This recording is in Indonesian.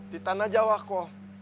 di tanah jawa kau